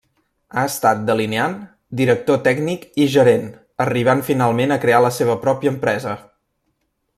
Ha estat delineant, director tècnic i gerent, arribant finalment a crear la seva pròpia empresa.